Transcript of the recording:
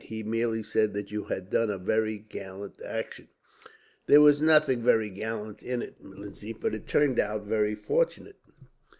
He merely said that you had done a very gallant action." "There was nothing very gallant in it, Lindsay; but it turned out very fortunate."